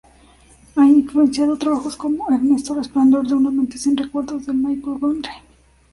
Ha influenciado trabajos como Eterno Resplandor de una Mente sin Recuerdos, de Michel Gondry.